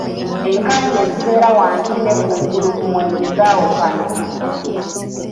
Enkanja ezibeera wansi ne kungulu ku mwenge zaawukana.